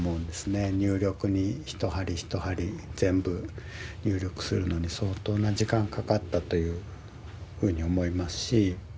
入力に一針一針全部入力するのに相当な時間かかったというふうに思いますし。